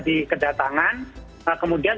di kedatangan kemudian